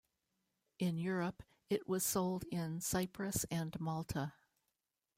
In Europe, it was sold in Cyprus and Malta.